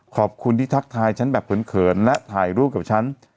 ขอบคุณที่ทักทายฉันแบบเขินและถ่ายรูปกับฉัน